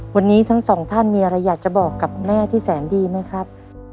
วันนี้ทั้งสองท่านมีอะไรอยากจะบอกกับแม่ที่แสนดีไหมครับ